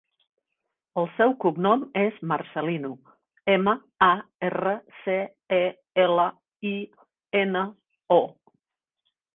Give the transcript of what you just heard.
El seu cognom és Marcelino: ema, a, erra, ce, e, ela, i, ena, o.